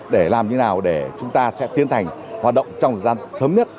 để làm như nào để chúng ta sẽ tiến hành hoạt động trong thời gian sớm nhất